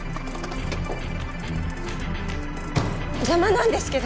邪魔なんですけど。